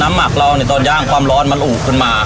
น้ำหมักเราเนี้ยต้องย่างความร้อนมันอูบขึ้นมาอ๋อ